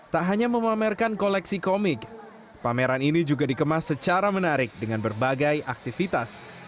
tak hanya memamerkan koleksi komik pameran ini juga dikemas secara menarik dengan berbagai aktivitas